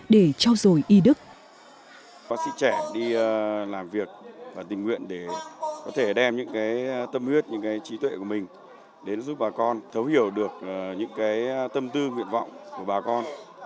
bác sĩ trẻ đi làm việc và tình nguyện để có thể đem những cái tâm huyết những cái trí tuệ của mình đến giúp bà con thấu hiểu được những cái tâm tư nguyện vọng của bà con